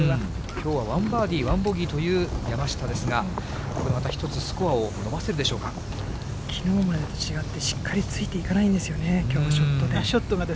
きょうは１バーディー１ボギーという山下ですが、これまた１つ、きのうまでと違って、しっかりついていかないんですよね、きょうのショットね。